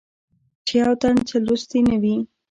چې يو تن څۀ لوستي نۀ وي